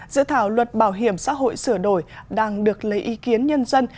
dự thảo luật bảo hiểm xã hội sửa đổi đang được lấy ý kiến nhân dân